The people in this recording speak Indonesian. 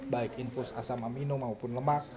baik infus asam amino maupun lemak